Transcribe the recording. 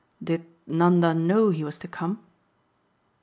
"Did Nanda know he was to come?"